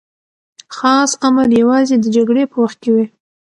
خاص امر یوازې د جګړې په وخت کي وي.